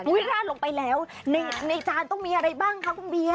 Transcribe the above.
ราดลงไปแล้วในจานต้องมีอะไรบ้างคะคุณเบียร์